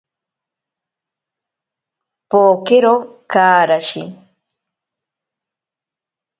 Pokero karashi.